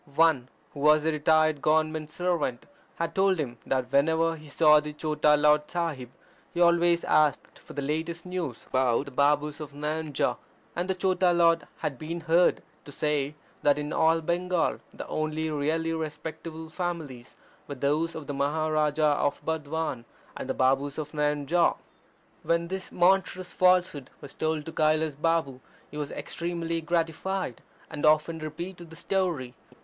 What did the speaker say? One, who was a retired Government servant, had told him that whenever he saw the Chota Lord Sahib he always asked for the latest news about the Babus of Nayanjore, and the Chota Lard had been heard to say that in all Bengal the only really respectable families were those of the Maharaja of Burdwan and the Babus of Nayanjore. When this monstrous falsehood was told to Kailas Balm he was extremely gratified, and often repeated the story.